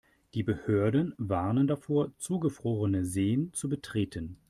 Die Behörden warnen davor, zugefrorene Seen zu betreten.